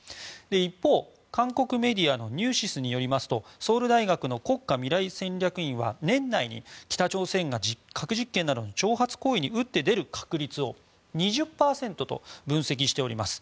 一方、韓国メディアのニューシスによりますとソウル大学の国家未来戦略院は年内に北朝鮮が核実験などの挑発行為に打って出る確率を２０％と分析しております。